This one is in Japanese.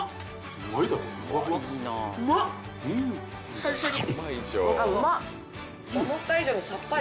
・シャリシャリ。